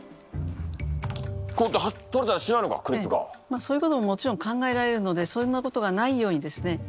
そういうことももちろん考えられるのでそんなことがないようにですね